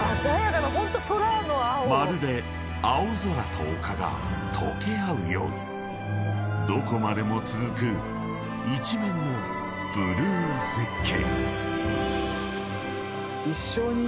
［まるで青空と丘が溶け合うようにどこまでも続く一面のブルー絶景］